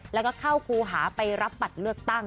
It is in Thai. แล้วก็เข้าครูหาไปรับบัตรเลือกตั้ง